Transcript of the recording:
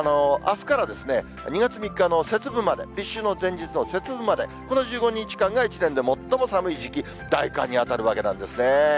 あすから２月３日の節分まで、立春の前日の節分まで、この１５日間が一年で最も寒い時期、大寒に当たるわけなんですね。